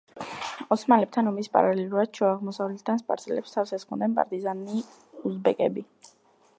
ოსმალებთან ომის პარალელურად, ჩრდილო-აღმოსავლეთიდან სპარსელებს თავს ესხმოდნენ პარტიზანი უზბეკები.